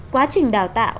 quá trình đào tạo